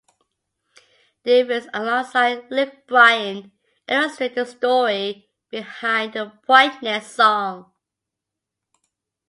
Davis alongside Luke Bryan illustrate the story behind the "poignant" song.